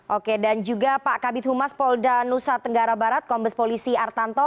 oke dan juga pak kabit humas polda nusa tenggara barat kombes polisi artanto